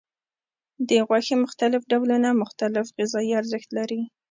د غوښې مختلف ډولونه مختلف غذایي ارزښت لري.